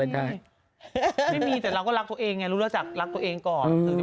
เปิดตัวได้อายุยืนใช่อือ